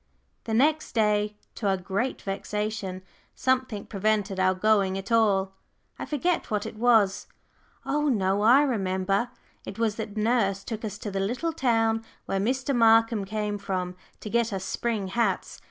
The next day, to our great vexation, something prevented our going at all I forget what it was oh no! I remember. It was that nurse took us to the little town where Mr. Markham came from, to get us spring hats.